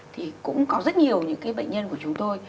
thì cũng có rất nhiều những cái bệnh nhân của chúng tôi